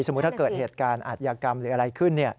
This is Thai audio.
ถ้าเกิดเหตุการณ์อาทยากรรมหรืออะไรขึ้น